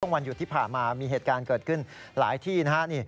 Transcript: ช่วงวันอยู่ที่ผ่านมามีเหตุการณ์เกิดขึ้นหลายที่นะครับ